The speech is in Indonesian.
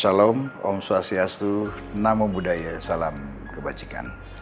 salam om swastiastu namo buddhaya salam kebajikan